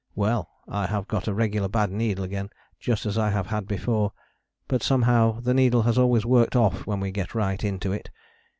Well! I have got a regular bad needle again, just as I have had before. But somehow the needle has always worked off when we get right into it.